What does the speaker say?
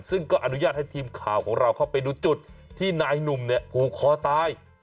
ซึ่งก็อนุญาตให้ทีมข่าวของเราเข้าไปดูจุดที่นายหนุ่มเนี่ยผูกคอตาย